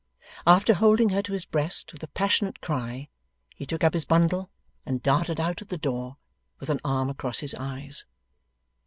After holding her to his breast with a passionate cry, he took up his bundle and darted out at the door, with an arm across his eyes.